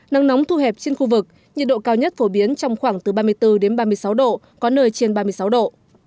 nắng nóng thu hẹp trên khu vực nhiệt độ cao nhất phổ biến trong khoảng từ ba mươi bốn đến ba mươi sáu độ có nơi trên ba mươi sáu độ